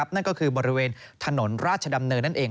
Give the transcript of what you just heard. นั่นก็คือบริเวณถนนราชดำเนินนั่นเอง